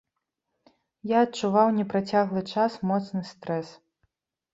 Я адчуваў непрацяглы час моцны стрэс.